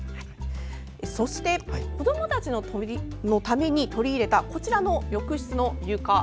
そして子どもたちのために取り入れたこちらの浴室の床。